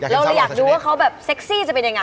เราเลยอยากดูว่าเขาแบบเซ็กซี่จะเป็นยังไง